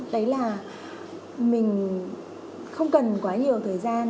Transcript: đấy là mình không cần quá nhiều thời gian